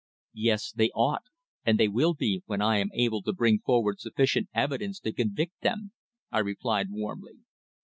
"Yes. They ought, and they will be when I am able to bring forward sufficient evidence to convict them," I replied warmly.